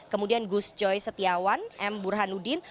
kemudian gus joy setiawan m burhanuddin